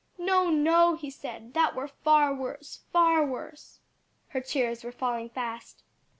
"No, no!" he said, "that were far worse, far worse!" Her tears were falling fast.